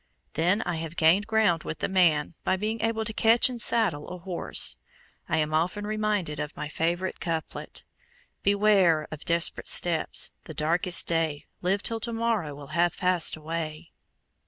Then I have gained ground with the man by being able to catch and saddle a horse. I am often reminded of my favorite couplet, Beware of desperate steps; the darkest day, Live till to morrow, will have passed away.